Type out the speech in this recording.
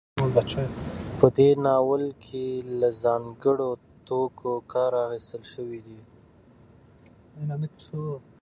په دې ناول کې له ځانګړو توکو کار اخیستل شوی دی.